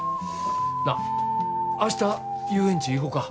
なあ明日遊園地行こか？